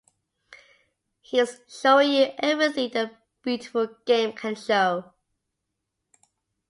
He is showing you everything the beautiful game can show.